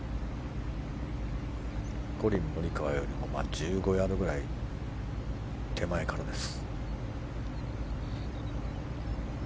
コリン・モリカワよりも１５ヤードぐらい手前からです。